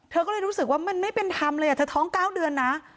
เธอก็เลยรู้สึกว่ามันไม่เป็นธรรมเลยเธอท้อง๙เดือนนะ